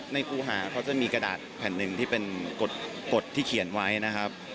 ครูหาเขาจะมีกระดาษแผ่นหนึ่งที่เป็นกฎที่เขียนไว้นะครับ